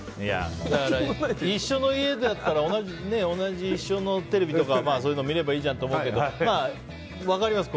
一緒の家だったら同じ一緒のテレビとかそういうのを見ればいいじゃんと思うけれど分かります。